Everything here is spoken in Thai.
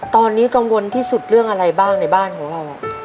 ตอนนี้กังวลที่สุดเรื่องอะไรบ้างในบ้านของเรา